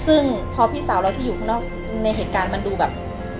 ซึ่งพอพี่สาวเราที่อยู่ข้างนอกในเหตุการณ์มันดูแบบ